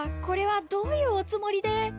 これはどういうおつもりで？